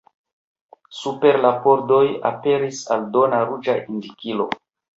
Super la pordoj aperis aldona ruĝa indikilo.